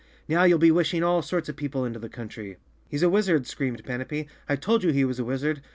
Now you'll be wishing all sorts of people into the country!" "He's a wizard!" screamed Panapee. "I told you he was a wizard!